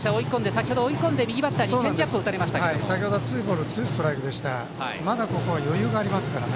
先ほどはツーボールツーストライクでしたがここ、まだ余裕はあります。